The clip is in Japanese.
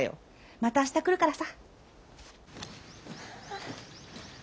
また明日来るからさ。